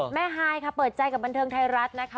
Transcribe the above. ฮายค่ะเปิดใจกับบันเทิงไทยรัฐนะคะ